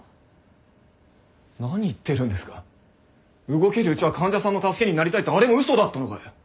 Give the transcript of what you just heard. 動けるうちは患者さんの助けになりたいってあれも嘘だったのかよ！